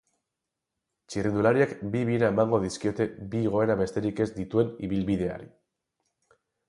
Txirrindulariek bi bira emango dizkiote bi igoera besterik ez dituen ibilbideari.